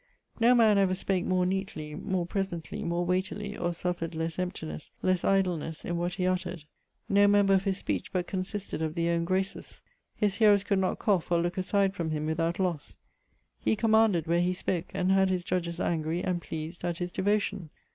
No man ever spake more neatly, more presly, more weightily, or suffered lesse emptinesse, lesse idlenesse, in what he utter'd. No member of his speech but consisted of the owne graces: his hearers could not cough, or looke aside from him, without losse. He commanded where he spoke; and had his judges angry, and pleased, at his devotion.